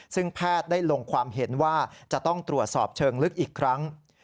ซึ่งแพทย์ได้ลงความเห็นว่าจะต้องตรวจสอบเชิงลึกอีกครั้ง